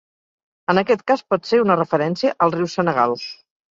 En aquest cas, pot ser una referència al Riu Senegal.